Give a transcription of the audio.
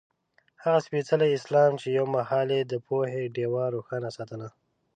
هغه سپېڅلی اسلام چې یو مهال یې د پوهې ډېوه روښانه ساتله.